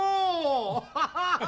アハハハ！